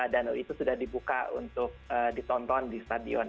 dan itu sudah dibuka untuk ditonton di stadion